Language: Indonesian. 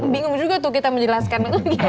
bingung juga tuh kita menjelaskan